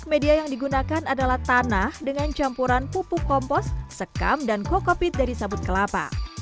media yang digunakan adalah tanah dengan campuran pupuk kompos sekam dan kokopit dari sabut kelapa